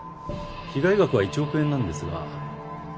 被害額は１億円なんですが。